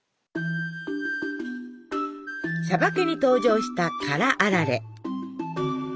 「しゃばけ」に登場した辛あられ。